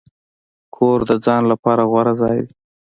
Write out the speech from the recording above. کور د ځان لپاره غوره ځای دی.